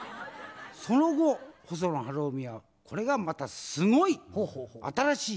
その後細野晴臣はこれがまたすごい！新しい試みの連続だ。